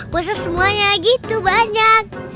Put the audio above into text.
masa semuanya gitu banyak